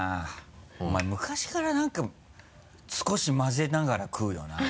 お前昔からなんか少しまぜながら食うよな。